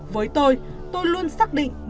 với tôi tôi luôn xác định nhiệm vụ quan trọng